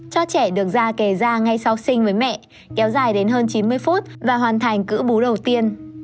cho trẻ được ra kề ra ngay sau sinh với mẹ kéo dài đến hơn chín mươi phút và hoàn thành cứ bú đầu tiên